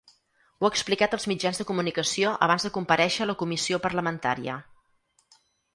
Ho ha explicat als mitjans de comunicació abans de comparèixer a la comissió parlamentària.